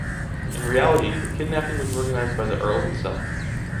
In reality, the kidnapping was organized by the earl himself.